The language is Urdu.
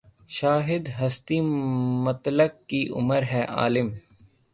شاہدِ ہستیِ مطلق کی کمر ہے‘ عالم